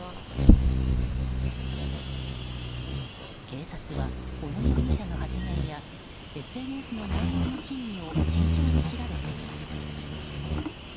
警察は、小野容疑者の発言やＳＮＳの内容の真偽を慎重に調べています。